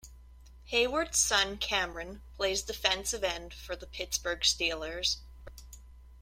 Heyward's son Cameron plays defensive end for the Pittsburgh Steelers.